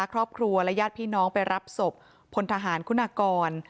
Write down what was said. ครอบครัวและญาติพี่น้องไปรับศพพลทหารคุณากร